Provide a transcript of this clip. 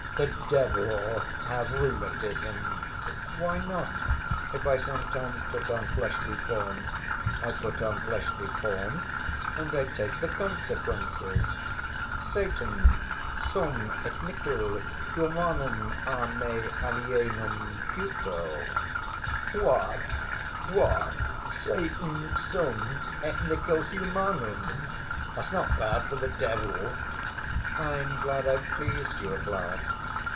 "The devil have rheumatism!" "Why not, if I sometimes put on fleshly form? I put on fleshly form and I take the consequences. Satan sum et nihil humanum a me alienum puto." "What, what, Satan sum et nihil humanum ... that's not bad for the devil!" "I am glad I've pleased you at last."